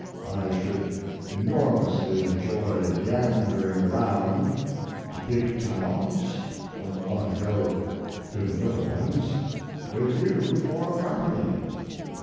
I should enormously enjoy meandering around (to big towns don't want to go to the little ones), with you for company.